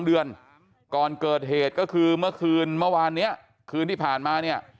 เดือนก่อนเกิดเหตุก็คือเมื่อคืนเมื่อวานนี้คืนที่ผ่านมาเนี่ย